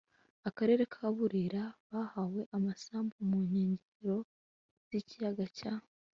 akarere ka burera bahawe amasambu mu nkengero z ikiyaga cya